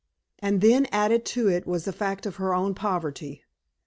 And then added to it was the fact of her own poverty.